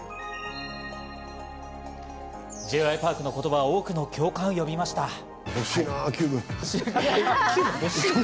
Ｊ．Ｙ．Ｐａｒｋの言葉が多くの共感を呼びました。